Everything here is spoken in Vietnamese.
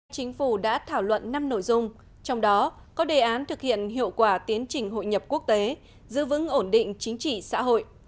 chính phủ đã thảo luận năm nội dung trong đó có đề án thực hiện hiệu quả tiến trình hội nhập quốc tế giữ vững ổn định chính trị xã hội